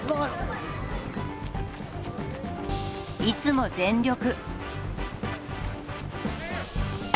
いつも全力。